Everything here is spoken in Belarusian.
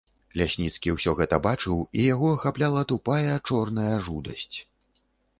Лясніцкі ўсё гэта бачыў, і яго ахапляла тупая, чорная жудасць.